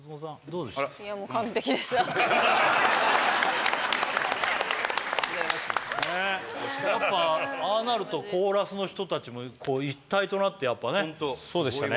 うらやましいやっぱああなるとコーラスの人達も一体となってやっぱねそうでしたね